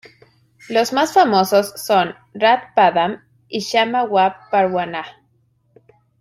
Los más famosos son "Rat-Padam" y "Shama-wa-parwanah".